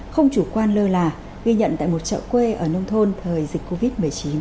không chủ quan lơ là ghi nhận tại một chợ quê ở nông thôn thời dịch covid một mươi chín